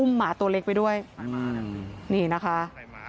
หมาตัวเล็กไปด้วยนี่นะคะ